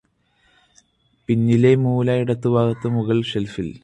പിന്നിലെ മൂല ഇടതുഭാഗത്ത് മുകള് ഷെല്ഫില്